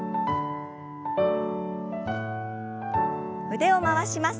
腕を回します。